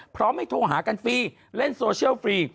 พร้อมให้โทรหากันฟรีเล่นโซเชียลฟรี